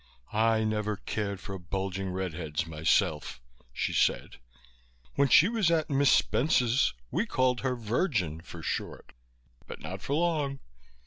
"I never cared for bulging red heads myself," she said. "When she was at Miss Spence's we called her Virgin for short, but not for long.